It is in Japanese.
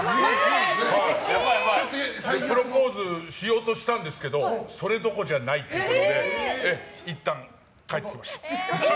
プロポーズしようとしたんですけどそれどころじゃないっていうのでいったん帰ってきました。